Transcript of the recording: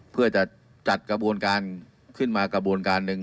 เพื่อจะจัดกระบวนการขึ้นมากระบวนการหนึ่ง